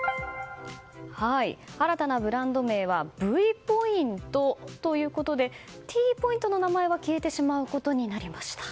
新たなブランド名はＶポイントということでＴポイントの名前は消えてしまうことになりました。